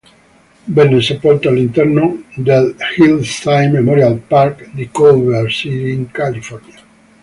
Venne sepolto all'interno dell'Hillside Memorial Park di Culver City, in California.